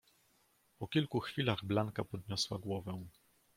"Po kilku chwilach Blanka podniosła głowę."